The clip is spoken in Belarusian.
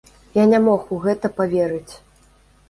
Я не мог у гэта паверыць.